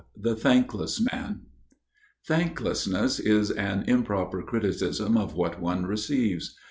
XII The Thankless Man (Μεμψιμοιρία) Thanklessness is an improper criticism of what one receives.